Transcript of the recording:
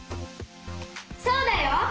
そうだよ！